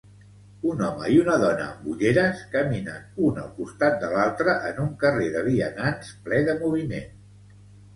Un home i una dona amb ulleres caminen un al costat de l'altre en un carrer de vianants ple de moviment.